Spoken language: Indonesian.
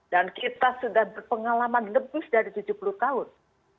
dan kita sudah berpengalaman lebih dari tujuh puluh tahun